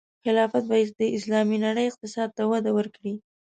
خلافت به د اسلامي نړۍ اقتصاد ته وده ورکړي.